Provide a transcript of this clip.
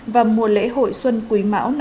và mùa lễ hội xuân quý mão năm hai nghìn hai mươi